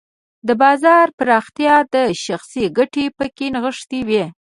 د بازار پراختیا او شخصي ګټې پکې نغښتې وې.